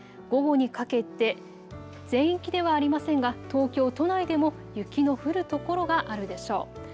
午後にかけて全域ではありませんが東京都内でも雪の降る所があるでしょう。